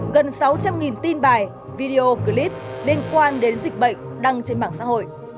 gần sáu trăm linh tin bài video clip liên quan đến dịch bệnh đăng trên mạng xã hội